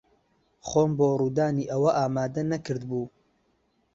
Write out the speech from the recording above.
خۆم بۆ ڕوودانی ئەوە ئامادە نەکردبوو.